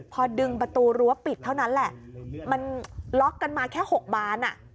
พอดึงประตูรั้วปิดเท่านั้นแหละมันล็อกกันมาแค่๖บานอ่ะ